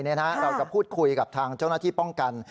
เราจะพูดคุยกับทางเจ้าหน้าที่ป้องกัน